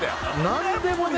何でもね